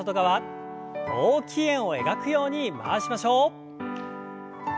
大きい円を描くように回しましょう。